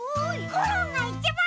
コロンがいちばん！